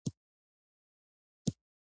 د ترکیې تر زلزلې څو ساعته مخکې.